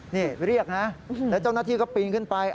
นี่เรียกนะแล้วเจ้าหน้าที่ก็ปีนขึ้นไป